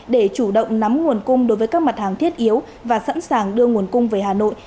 để chủ động nắm nguồn cung đối với các mặt hàng thiết yếu và sẵn sàng đưa nguồn cung về hà nội